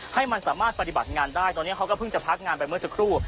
ให้มันสามารถปฏิบัติงานได้ตอนนี้เขาก็เพิ่งจะพักงานไปเมื่อสักครู่